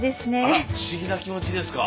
あら不思議な気持ちですか？